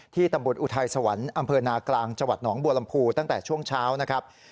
ตำบลอุทัยสวรรค์อำเภอนากลางจังหวัดหนองบัวลำพูตั้งแต่ช่วงเช้านะครับ